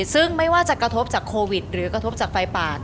ซึ่งไม่ว่าจะกระทบจากโควิดหรือกระทบจากไฟป่า